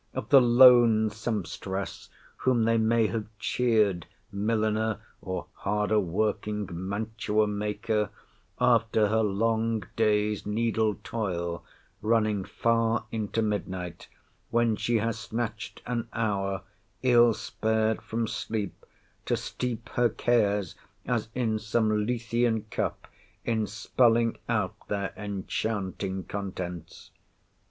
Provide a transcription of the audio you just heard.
—of the lone sempstress, whom they may have cheered (milliner, or harder working mantua maker) after her long day's needle toil, running far into midnight, when she has snatched an hour, ill spared from sleep, to steep her cares, as in some Lethean cup, in spelling out their enchanting contents!